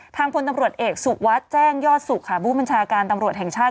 พลตำรวจเอกสุวัสดิ์แจ้งยอดสุขค่ะผู้บัญชาการตำรวจแห่งชาติ